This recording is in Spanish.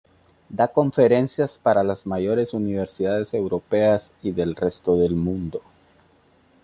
Da conferencias para las mayores universidades europeas y del resto del mundo.